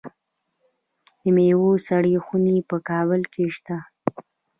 د میوو سړې خونې په کابل کې شته.